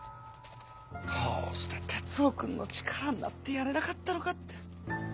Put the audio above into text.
どうして徹生君の力になってやれなかったのかって。